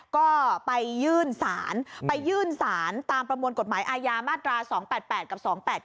ก็ไปยื่นศาลไปยื่นสารตามประมวลกฎหมายอาญามาตรา๒๘๘กับ๒๘๙